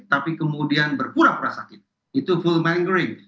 tapi kemudian berpura pura sakit itu full mangering